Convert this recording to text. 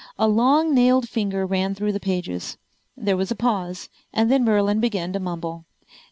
A long nailed finger ran through the pages. There was a pause, and then Merlin began to mumble.